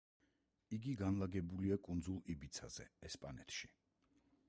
იგი განლაგებულია კუნძულ იბიცაზე, ესპანეთში.